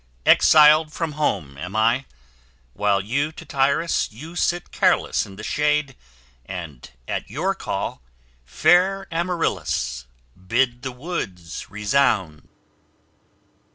Exiled from home am I; while, Tityrus, you Sit careless in the shade, and, at your call, "Fair Amaryllis" bid the woods resound.